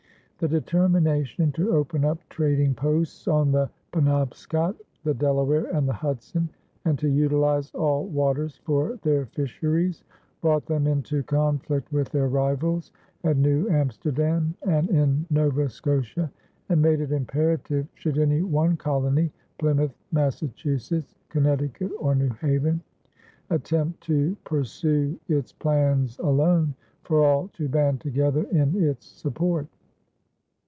The determination to open up trading posts on the Penobscot, the Delaware, and the Hudson, and to utilize all waters for their fisheries brought them into conflict with their rivals, at New Amsterdam and in Nova Scotia, and made it imperative, should any one colony Plymouth, Massachusetts, Connecticut, or New Haven attempt to pursue its plans alone, for all to band together in its support.